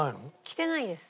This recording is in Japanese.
着てないです。